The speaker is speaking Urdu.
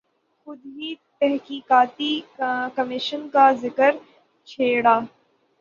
خود ہی تحقیقاتی کمیشن کا ذکر چھیڑا۔